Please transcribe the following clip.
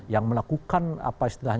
yang melakukan apa istilahnya itu ya